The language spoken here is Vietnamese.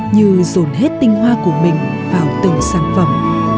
như dồn hết tinh hoa của mình vào từng sản phẩm